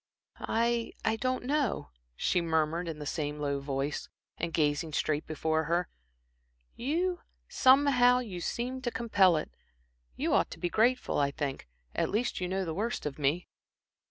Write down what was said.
"I I don't know," she murmured, in the same low voice, and gazing straight before her. "You somehow you seem to compel it. You ought to be grateful, I think. At least you know the worst of me."